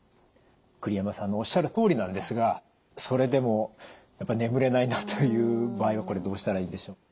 栗山さんのおっしゃるとおりなんですがそれでも眠れないなという場合はこれどうしたらいいでしょう？